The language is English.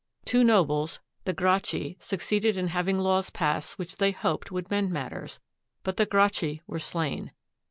Two nobles, the Gracchi, succeeded in having laws passed which they hoped would mend matters; but the Gracchi were slain.